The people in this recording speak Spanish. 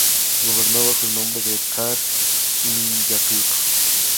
Gobernó bajo el nombre de "Tar-Minyatur".